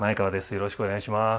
よろしくお願いします。